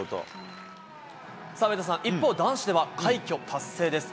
上田さん、一方男子では、快挙達成です。